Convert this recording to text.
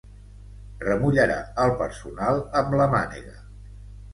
Remullarà el personal amb la mànega.